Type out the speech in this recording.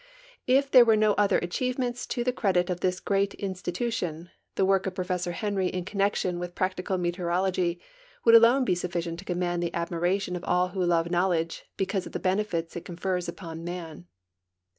If there were no other achievements to the credit of this great insti tution, the work of Professor Henrj^ in connection with practical meteorology would alone be sufficient to command the admira tion of all who love knowledge because of the benefits it confers upon man.